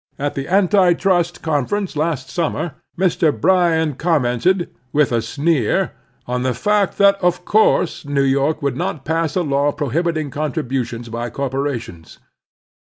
At the Anti Trust Con ference last stuimier Mr. Bryan conmiented, with a sneer, on the fact that "of course" New York would not pass a law prohibiting contributions 124 The Strenuous Life by corporations.